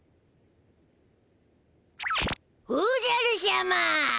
おじゃるしゃま。